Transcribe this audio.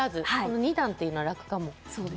２段というのは楽かも。